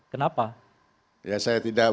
kenapa ya saya tidak